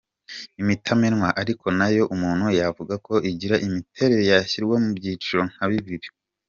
Imitamenwa ariko nayo umuntu yavuga ko igira imiterere yashyirwa mu byiciro nka bibiri.